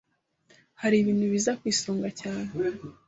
hari ibintu biza ku isonga cyane